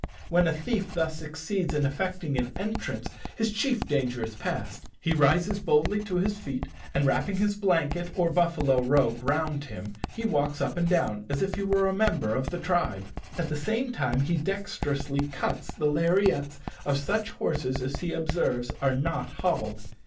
When a thief thus succeeds in effecting an entrance, his chief danger is past. He rises boldly to his feet, and wrapping his blanket or buffalo robe round him, he walks up and down as if he were a member of the tribe. At the same time he dexterously cuts the lariats of such horses as he observes are not hobbled.